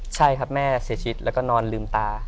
ใช่ครับแม่เสียชีวิตแล้วก็นอนลืมตา